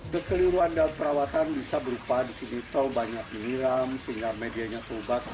kekeliruan dan perawatan bisa berupa di sini tol banyak dihiram sehingga medianya terubah